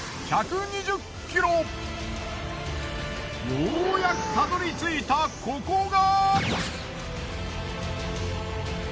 ようやくたどり着いたここが。